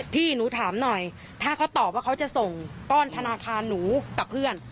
พี่หนูถามหน่อยถ้าเขาตอบว่าเขาจะส่งก้อนธนาคารหนูกับเพื่อน